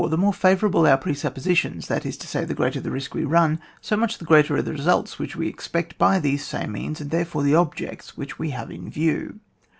The more favourable our pre suppositions— ^that is to say, the greater the risk we run, so much the greater are the results which we expect by these same means, and therefore the objects which we have in view.